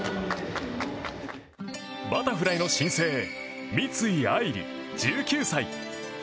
バタフライの新星三井愛梨、１９歳。